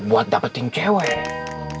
buat dapetin cewek